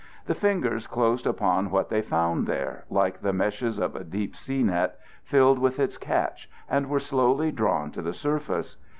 The fingers closed upon what they found there, like the meshes of a deep sea net filled with its catch, and were slowly drawn to the surface.